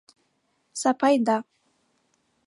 Сапайда.